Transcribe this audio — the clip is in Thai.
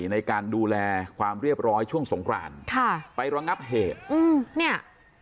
ในการดูแลความเรียบร้อยช่วงสงครานค่ะไประงับเหตุอืมเนี่ย